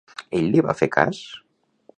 Ell li va fer cas?